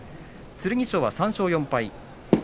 剣翔は３勝４敗。